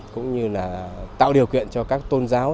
cũng như là tạo điều kiện cho các tôn giáo